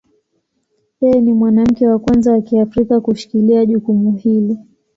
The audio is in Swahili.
Yeye ni mwanamke wa kwanza wa Kiafrika kushikilia jukumu hili.